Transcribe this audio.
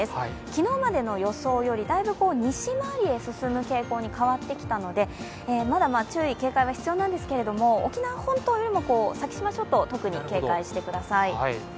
昨日までの予想よりだいぶ西回りへ進む傾向へ変わってきたのでまだ注意・警戒が必要なんですけれども、沖縄本島よりも先島諸島、特に警戒してください。